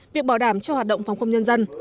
việc bảo đảm cho hoạt động phòng không nhân dân